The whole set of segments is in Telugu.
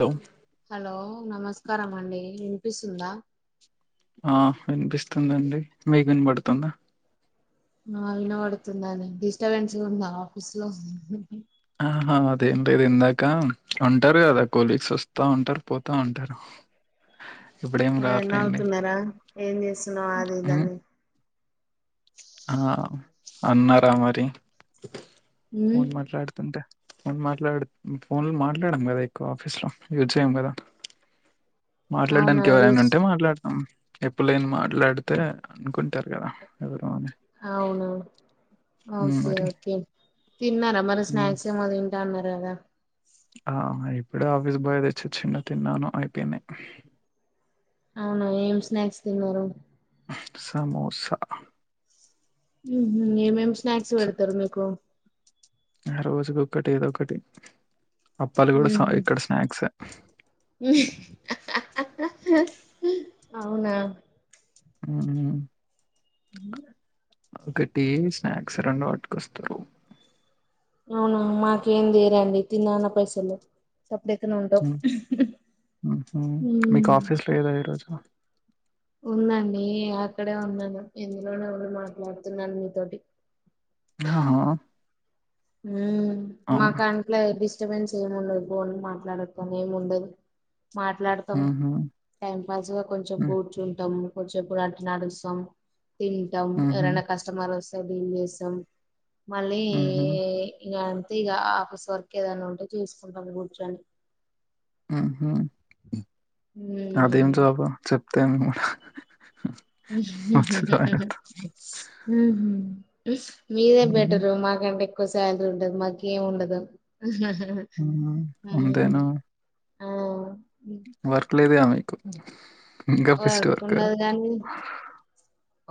హలో హలో నమస్కారం అండి ఇన్పిస్తుందా ఆ వినిపిస్తుందండి మీగ్ విన్పడుతుందా ఆ ఇనవడుతుందని డిస్టబెన్స్ లో ఉందా ఆఫీస్ లో ఆహా అదేం లేదు ఇందాక ఉంటారు గదా కోలీగ్స్ ఒస్తా ఉంటరు పోతా ఉంటరు ఆ నవుతున్నారా ఏం చేస్తున్నావు అది ఉమ్ ఇదని ఆ అన్నారా మరి ఉమ్ ఫన్ మాట్లాడుతుంటే ఫోన్ మాట్లాడు ఫోన్ మాట్లాడం గదా ఎక్కువ ఆఫీస్ లో యూజ్ చేయ్యం కదా అవునా మాట్లాడ్డానికి యూస్ ఎవరైనుంటే మాట్లాడతాం ఎప్పు లేని మాట్లాడితే అనుకుంటరు గదా ఎవరు అని అవునా ఉమ్ ఓకే మరి ఓకే తిన్నారా మరి ఉమ్ స్నాక్స్ ఏమో దింటా అన్నరు గదా ఆ ఇప్పుడే ఆఫీస్ బాయ్ దెచ్చిచ్చిండు తిన్నాను అయిపోయినయి అవును ఏం స్నాక్స్ తిన్నరు సమోసా ఏమేమ్ స్నాక్స్ వడతరు మీకు ఆ రోజుకుకటి ఏదొకటి అప్పలు గూడా స ఉహు ఇక్కడ స్నాక్సే హహహహహహ అవునా మ్ మ్ ఒకటి స్నాక్స్ రెండు వట్కొస్తారు అవునా మాకేం తీరండి తిన్నాన్న పైసలు సప్పుడేక్కనె ఉంటవు మ్మ్ మ్హూ మీకు మ్ ఆఫీస్ లేదా ఈరోజు ఉందండి అక్కడే ఉన్నాను ఎందులోనే మాట్లాడుతున్నాను మీతోటి హా మా కంట్లే బిస్ స్టబెన్స్ ఏముండదు బో మాట్లాడద్దని ఏముండదు మాట్లాడతం మ్హూ టైం పాస్ గ కొంచెం మ్మ్ కూర్చుంటం కొచేప్పుడు అట్ నడుస్తం తింటం మ్హూ ఎవరైనా కస్టమర్ ఒస్తే డీల్ చేస్తం మళ్ళీ మ్హూ ఇగ ఇగ ఆఫీస్ వర్క్ ఏదన్నుంటే చూసుకుంటం కూర్చొని మ్హ్ అదేం ఉమ్, జాబు చెప్తెం మ్హ్ మీదె మ్మ్ బెటరు మాకంటె ఎక్కువ శాలరీ ఉంటది మాకేం ఉండదు మ్మ్ అమ్ అంతేనా వర్క్ లేదుగా మీకు ఇంకా ఫెస్ట్ వర్క్ ఉండదుగని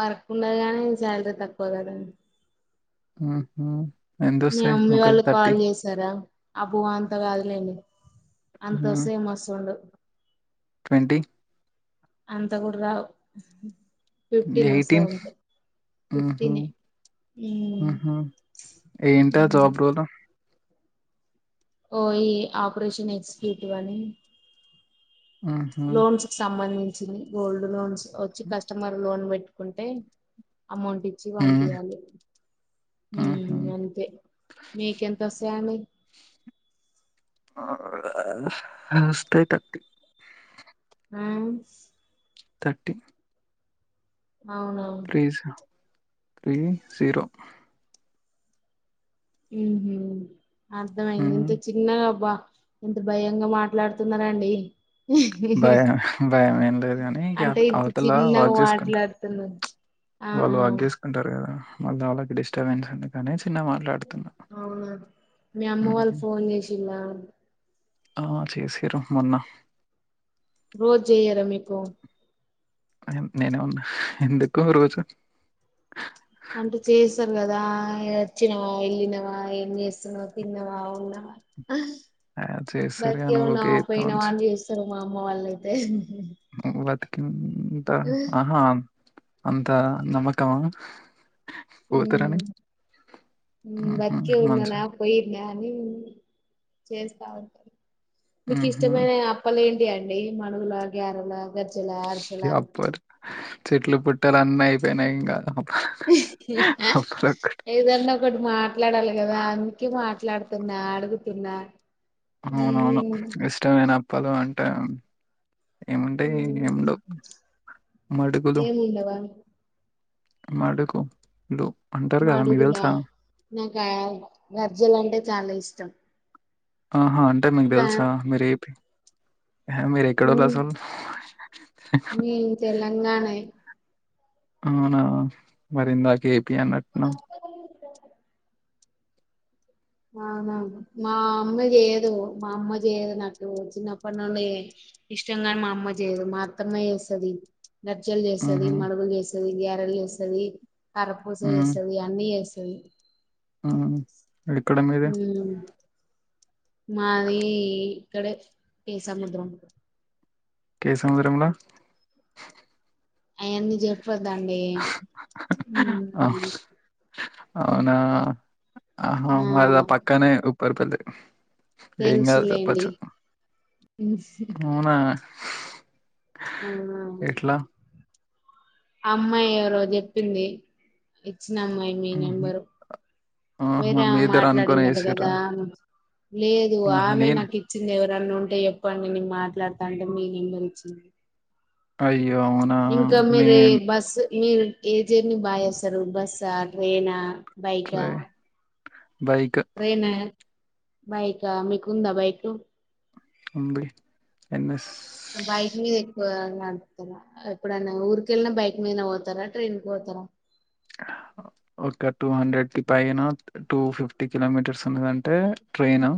వర్క్ ఉండదు గానీ శాలరీ తక్కువ గదా మ్హ్ మీ మమ్మి వాళ్ళు కాల్ చేసారా అబో అంత గాదులేండి అంతొసే మస్సుండు ట్వంటి అంత గూడ రావు ఫిఫ్టీన్ ఒస్సయ్ అంతె మ్హ్ మ్హ్ ఏంటా ఉమ్. జాబ్ రోలు ఓ ఈ ఆపరేషన్ ఎక్జిక్యూటివ్ అని మ్హూ లోన్స్ కి సంబంధించింది గోల్డ్ లోన్స్ ఒచ్చి కస్టమర్ లోన్ వెట్టి కుంటె అమౌంట్ ఇచ్చి మ్మ్ పంపియాలి ఆహా అంతే మీకెంతొస్ సయండి ఆ ఒస్తయి థట్టీ ఆ థర్టీ అవునవును త్రీ త్రీ జీరో ఉహ అర్థమయింది మ్మ్. ఇంత చిన్నగా అబ్బా ఎంత భయంగా మాట్లాడుతున్నారాడి భయం భయం ఏం లేదు కాని అంటే ఇంత అవతలా చిన్నగా వర్క్ చేసుకుంటారు మాట్లాడుతున్నారు వాళ్ళు ఆహా అగ్గేసుకుంటారు కదా మళ్ళీ వాళ్ళకి డిస్టర్బెన్స్ ఉంది కానీ చిన్న మాట్లాడుతారు అవునా మీ అమ్మ వాళ్ళకి ఫోన్ చేసిలా ఆ చేసిరు మొన్న రోజు చెయ్యరా మీకు నేనే ఉన్నా ఎందుకు రోజు అంటే చేస్తారు కదా వచ్చినవా వెళ్ళినవా ఏం చేస్తున్నావా తిన్నవా ఉన్నావా ఆ, చేస్తారు కానీ బతికేమన్నా ఓకే పోయిన చెప్తామని వాళ్ళు చేస్తారు మా అమ్మ వాళ్ళ అయితే వతకింత ఆహా అంతా నమ్మకమా పోతారని మ్మ్హ్. బతిక ఊర్లో నా మంచిగా పోయిర్ందే చేస్తా ఉంటారు మీకు మ్మ్హ్. ఇష్టమైన అప్పలే ఏంటి ఇ అండి మనగులా గరలా ఇ అప్పర్ చెట్లు పుట్టలు అన్న అయిపోయినాయి ఇంకా [inaudible] ఏదన్నా ఒకటి మాట్లాడాలి కదా అందుకే మాట్లాడుతున్నా అడుగుతున్నా అవునవును ఉమ్, ఇష్టమైన అప్పలు అంటే ఏమంటే ఉమ్, ఏముండవు ఏముండవా అమ్ అడుకు మడుగులా నాకు గర్జల అంటే చాలా ఇష్టం ఆహా అంటే మీకు కా తెలుసా మీర ఏపీ మీరు మ్ ఎక్కడుర్రసలు మేం తెలంగాణే అవునా మరిందాక ఏపీ అన్నట్టున్నా అవునా మా అమ్మ చేయదు మా అమ్మ చేయదు నాకు చిన్నప్పటి నుళ ఇష్టంగా మా అమ్మ చేయదు మాఅత్తమ్మ చేస్తది నర్జలు చేస్తుది హుహు. మడుగులు చేస్తుది గేరెలు చేస్తుంది కర్రపూస హ్మ్. చేస్తుంది అన్నీ చేేస్తు సలి ఎక్కడ మీది మాది ఇక్కడ ఏముద్ర కే సముదరంలా అయవన్నీ చెప్పద అండి అవును. అవునా ఆ మద ఆ పక్కనే ఉప్పర్పల్లి బేంగా చెప్పచ్చ తెలుసులేండి [inaudible] అ ఎట్లా? ఆ అమ్మాయి ఎవరో చెప్పింది ఇచ్చిన అమ్మాయి మీ హుహు. నెంబరు ఆహా! వేరే మీ ఇద్దరు అనుకోని మాట్లాడినడు ఏసిర్రా? కదా లేదు ఆహా! ఆమె నేను నాకు ఇచ్చింది ఎవరు ఇన్న ఉంటే ఎప్పండి నేను మాట్లాడతా అంటే మీెబది ఇచ్చింది అయి ఇంకా మీర బస్ మీరు ఏజేర్ని బాగా చేస్తారు బస్సా ట్రైనా బైకా ట్రే బైక్ ట్రైనా బైకా మీకు ఉందా బైక్ ఎంబీ ఎంఎస్ బైక్ మీద ఎక్కువ నడుపుతర ఎప్పుడన్నా ఊరికి వెళ్ళినా బైక్ మీద పోతారా ట్రైన్ పోతా తర ఒక టూ హండ్రెడ్కి పైన టూ ఫిఫ్టీ కిలోమీటర్స్ ఉన్నదంటే ట్రైన్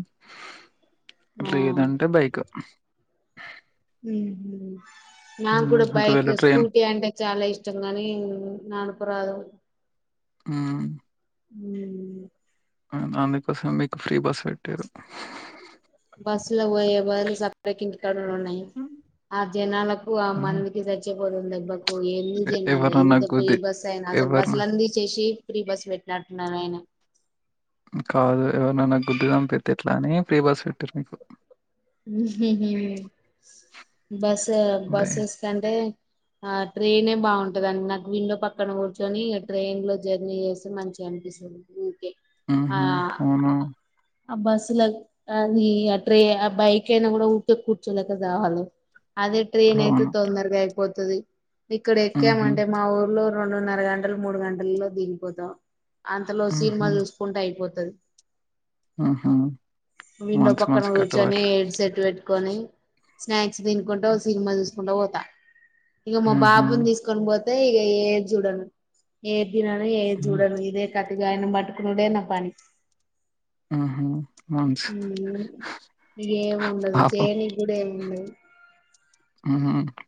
ఆ లేదంటే బైక్ నాకు హ్మ్. కూడా బైక్ ఒకవేళ ట్రైన్ స్కూటీ అంటే చాలా ఇష్టం కానీ నా పోరాదు ఆ ఉ ఆ దానికోసం మీకు ఫ్రీ బస్ పెట్టారు లో పోయే బదులు సపకి కడలు ఉన్నాయి ఆ జనాలకు ఆ హ్మ్. మనవికి స రం [unintelligible] ఎందు ఎ చేసినారు ఎవరినన్నా ఎంత ఫ్రీ గుద్ది బస్ అయిన అసలు ఎవరిన బస్సులన్నీ చేసి ఫ్రీ బస్సు పెట్టినట్టున్నారు ఆయన కాదు ఎవరినై నా గుద్దు దంపతే ఎట్లా అని ప్రీ బస్ పెట్టారు మీకు బస్ లే బస్సెస్ కంటే ఆ ట్రైనే బాగుంటదండి నాకు వీలో పక్కన కూర్చొని ట్రైన్ లో జర్నీ చేస్తే మంచి అండి పిలిసింది ఉహు అవునా ఆ బస్ల లో అది ఆ ట్రే బైక్ ఏనా కూడా ఉకే కూర్చోలేక సావాలా అదే ట్రైన్ అయితే అవును. తొందరగా అయిపోతది ఇక్కడ హుహు. ఎక్కామంటే మా ఊర్లో రెండున్నర గంటలు మూడు గంటలల్లో దిగిపోతాం అంతలో సినిమా చూసుకుంటే అయిపోతా మన్ మనస్ పక్కన మనస్ కట్ కూర్చొని హెడ్ సెట్ పెట్టుకొని స్నాక్స్ తినుకుంటా సినిమా చూసుకుంటా పోతా ఇక మా హుహు. బాబుని తీసుకొని పోతే ఇక ఏది చూడం ఏ తినను ఏది హ్మ్. చూడను ఇదే కతిగాయన పట్టుకునుడే నా పని ఆహా మంచ్ నీకేమి ఉండదు జయనీ కూడా ఏమి ఉండదు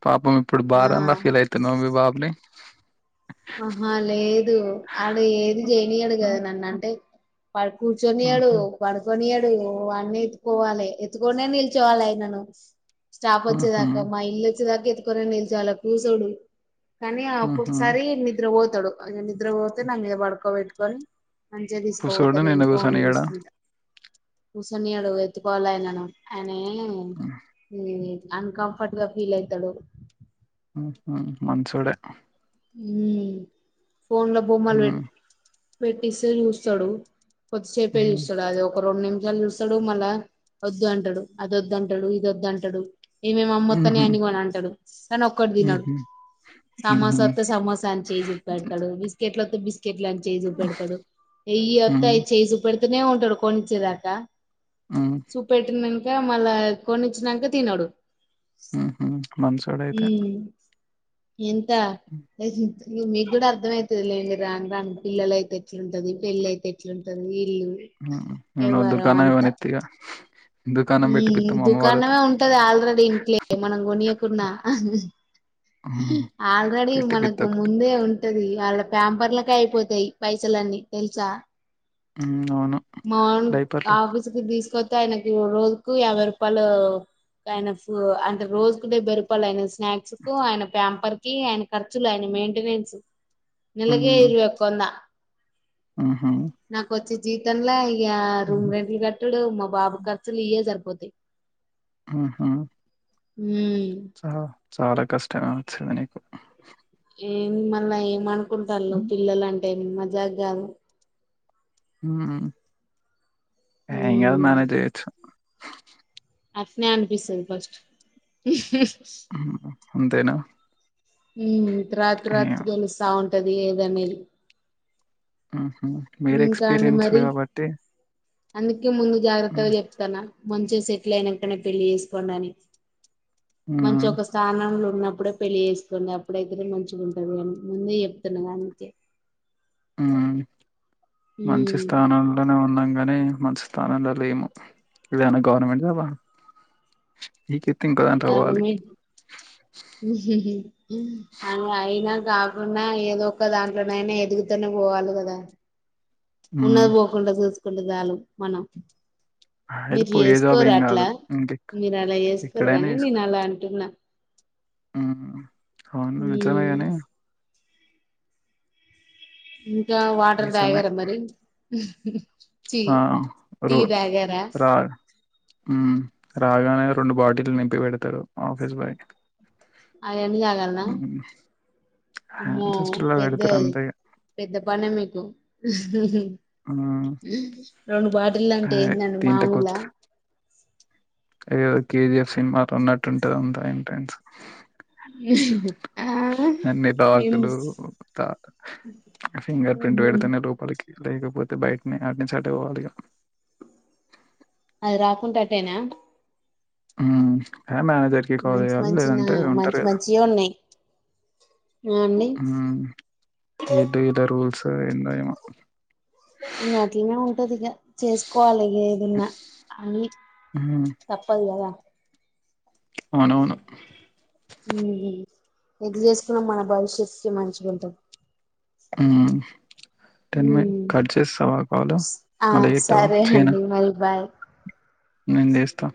పాపం ఇప్పుడు ఆ బారలా ఫీల్ అవుతున్నా మీ బాబుని ఆహా లేదు ఆడ ఏది చేనీయడు కదా నన్ను అంటే ప కూర్చని ఆడుు హుహు. పడుకని ఆడు అన్నీ ఎత్తుకోవాలె ఎత్తుకనే నిల్చోవాలె ఆయనను స్టాఫ హుహు. వచ్చేదాకా మా ఇల్లు వచ్చేదాకా ఎతుకొని నిల్చొలే కూచో కానీ హుహు. ఒక్కొక్కసారి నిద్ర పోతాడు నిద్ర పోతే నా మీద పడుకోబెటుకని మంచిగా తీసుకోపోతా కుసోడు నేను నిన్ను ఫోన్ కూసోనియ్యడా? చూసుకుంటా కూసోనియడు ఎత్తుకోవాలయనను ఆయనే అన్కంఫర్ట్ గా ఫీల్ అవుతాడు మనసోడ ఫోన్ లో బొమ్మలు పెట్ హ్మ్. పెట్టిస్తే చూస్తాడు కొద్దిసేపే హ్మ్. చూస్తడు అది ఒక రెండు నిమిషాలు చూస్తాడు మళ్ళ వద్దు అంటాడు అది వద్ అంటాడు ఇది వద్దు అంటాడు ఏమేమి అమ్మత్తానే హుహు. అని కొని అంటాడు కానీ ఒక్కటి తినడు హుహు. సామాస హుహు. సమోసాని చే పెడాడు బిస్కెట్ లో బిస్ ఎట్లాని చేజూప పెడతాడు వెయ్యి హ్మ్. వత్తాయి చేయి చూ పెడుతనే ఉంటాడు కొనిచ్చేదాకా హ్మ్. చూప పెట్టినక మళ్ళా కొనిచ్చినక తినడు హుహు. హ మంచోడైతే. ఎంత అ మీ మీకూడా అర్థం అయితదిలే ఇంకా రాన్ రాన్ పిల్లల అయితే ఎట్లుంటది పెళ్లయితే ఎట్లుంటది ఇల్లు హ్మ్. నేను ఎవ్వరు దుకాణం అంతా ఇవ్వనిత్త ఇగ. దుకాణం హు పెట్టిపిత్త మా అమ్మ వాళ్ళతో. దుకాణమే ఉంటది ఆల్రెడీ ఇంట్లే మనల్ని పోనీయకుండా హ్మ్. ఆల్రెడీ పెట్టిపిత్త మనకు ఒకటి. ముందే ఉంటది. వాళ్ళ ప్యాంపర్లకే అయిపోతాయి పైసలన్నీ తెలుసా. ఆ. మన్ ఆఫీస్ కి తీసుకోత్. గయనకు రోజుకు యాభై రూపాయలు ఆయనకు అంటే రోజకు డెబ్బై రూపాయలు అయినకు. స్నాక్స్ కు ఆయన ప్యాంపర్ కి ఆయన ఖర్చులు ఆయన మెయింటెనెన్స్. నెలకి ఇరవై ఒక వంద. ఆహా. నాక వచ్చే జీతంలా ఇగ రూమ్ హుహు. రెంట్లు కట్టుడు మ. బాబు ఖర్చులు ఇయే సరిపోతాయి. ఆహ ఉమ్ ఛ. చాలా కష్టమె వచ్చింది నీకు. ఏ మళ్ళీ ఏమ్ అనుకుంటాలు హ్మ్. పిల్లలు అంటే ఏమి మజాక్ కాదు. హుమ్ ఎంగాదు ఉమ్ మెనేజ్ చేయచ్చు. అట్నే అనిపిస్తది ఫస్ట్. అంతేనా. ఉమ్ తర్వాత ఏం తర్వాత తెలుస్తా ఉంటది ఏదనేది. మీర్ ఇంకా అండి ఎక్స్పీరియన్సుడు మరి కాబట్టి. అందుకే ముందు జాగ్రత్తగా చెప్తాన. మంచిగా సెటిల్ అయినక్కనే పెళ్లి చేసుకోండాని మంచి హ్మ్. ఒక స్థానంలో. ఉన్నప్పుడే పెళ్లి చేసుకోడి అప్పుడైతే మంచిగా ఉంటది అని ముందే చెప్తున్నా దనికే. ఆ మంచి ఉమ్ స్థానంలో ఉన్నంకనే. కానే మంచి స్థానంలో లేను ఏదైనా గవర్నమెంట్ ది పట్. పీకేతే ఇంకో దాంట్లోకి పోవాలి. గవర్నమెంట్ అని అయినా కాకుండా ఏదో ఒక దాంట్లోనైనా ఎదుగుతనే పోవాలి కదా. హ్మ్. ఉన్నది పోకుండా చూసుకుంటే చాలు మనం. అయితే మీరు పోయే జాబ్ చేసుకోర ఏం గాదు. అట్లా ఇంకెక్ మీరు అలా చేసుకోరు గానీ నేను అలా అంటున్నా. అహ అవును నిజమే కానీ. ఇంకా వాటర్ నిజమే. తాగారా మరి. టీ ఆ టీ రో తాగారా రాగ ఉమ్. రాగానే రెండు బాటిలు నింపి పెడతాారు ఆఫీస్ బాయ. అయి అన్ని తగల్న. అమ్మో హ్యాండ్ సిస్టర్లా పెడతారు పెద్దదె అంతే ఇగ పెద్ద పని మీకు. మ్మ్ రెండు బాటిల్ అంటే ఏందండి దీంట్లో మామూల. ఏవో కేజీఎఫ్ సినిమాలు ఉన్నట్టుంటేది అంత ఎంట్రన్స్. ఆ అన్ని డాగులు ఏమ్స్ ఒక కుత్త ‌. ఆ ఫింగర్ ప్రింట్ ఉహు పెడితేనే లోపలికి. లేకపోతే బయటనే అటి నుంచి అటే పోవాలిగా. అది రాకుంటే అట్టేనా. హుమ్ ఎ మేనేజర్ కి కాల్ మంచి చేయాలి మంచిన లేదంటే ఉంటారు మంచి కదా. మంచియే ఉన్నాయి ఆ అండి హా ఏదేదా రూల్స్ ఏందో ఏమో. ఇంగా అట్లనే ఉంటాది ఇగ చేసుకోవాలి ఇగ ఏదున్న. మ్మ్ తప్పదు కదా. అవునవును. ఉహు ఎది చేసుకున్నా మన భవిష్యత్ కు మంచిగా ఉంటుది. ఉ. టెన్ మినీ కట్ చేస్తావా కాలు ఆ మళ్లా చెత్తవా సరే చేయనా. అండి మరి బాయ్ నేను చేస్తా.